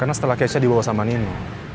karena setelah keisha dibawa sama nino